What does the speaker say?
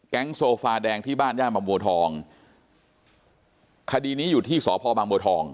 แก๊งโซฟาแดงที่บ้านยานบำหมูทองคดีนี้อยู่ที่สอพอบำหมูทอง